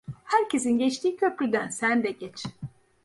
Herkesin geçtiği köprüden sen de geç.